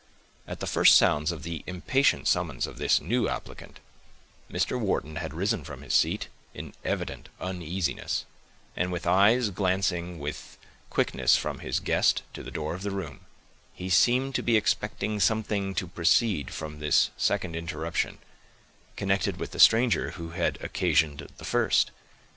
At the first sounds of the impatient summons of this new applicant, Mr. Wharton had risen from his seat in evident uneasiness; and with eyes glancing with quickness from his guest to the door of the room, he seemed to be expecting something to proceed from this second interruption, connected with the stranger who had occasioned the first.